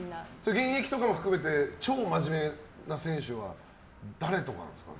現役とかも含めて超真面目な選手は誰ですか？